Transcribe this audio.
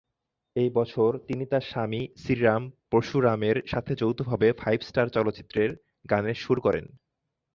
এই বছর তিনি তার স্বামী শ্রীরাম পরশুরামের সাথে যৌথভাবে "ফাইভ স্টার" চলচ্চিত্রের গানের সুর করেন।